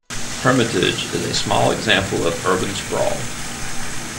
Hermitage is a small example of urban sprawl.